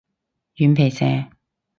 軟皮蛇